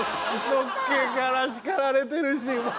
のっけから叱られてるしもう！